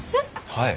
はい。